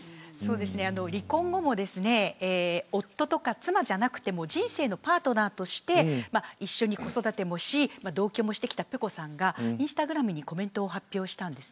離婚後も夫とか妻じゃなくて人生のパートナーとして一緒に子育てもし同居もしてきたｐｅｃｏさんがインスタグラムにコメントを発表したんです。